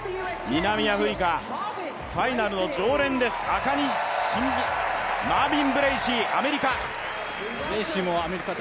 南アフリカファイナルの常連です、マービン・ブレーシー、アメリカ。